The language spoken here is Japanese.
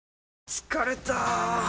疲れた！